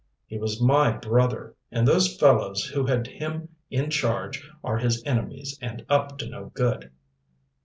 "He was my brother, and those fellows who had him in charge are his enemies and up to no good."